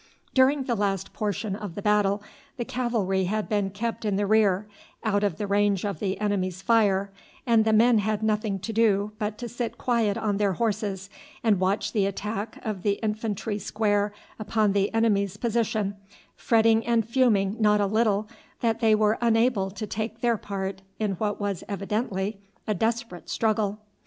During the early portion of the battle the cavalry had been kept in the rear, out of the range of the enemy's fire, and the men had nothing to do but to sit quiet on their horses and watch the attack of the infantry square upon the enemy's position, fretting and fuming not a little that they were unable to take their part in what was evidently a desperate struggle.